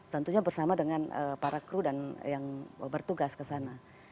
tentunya bersama dengan para kru dan yang bertugas kesana